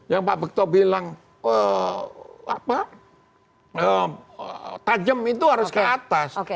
yang pak bekto bilang tajam itu harus ke atas